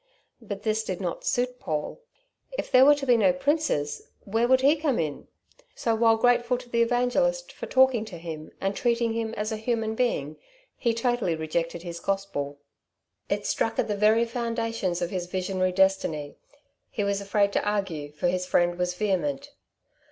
But this did not suit Paul. If there were to be no princes, where, would he come in? So, while grateful to the evangelist for talking to him and treating him as a human being, he totally rejected his gospel. It struck at the very foundations of his visionary destiny. He was afraid to argue, for his friend was vehement.